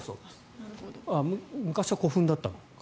昔は古墳だったのか。